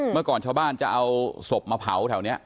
เมื่อก่อนชาวบ้านจะเอาศพมาเผาแถวนี้